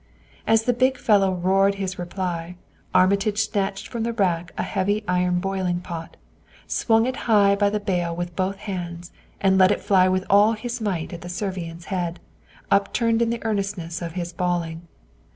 As the big fellow roared his reply Armitage snatched from the rack a heavy iron boiling pot, swung it high by the bail with both hands and let it fly with all his might at the Servian's head, upturned in the earnestness of his bawling.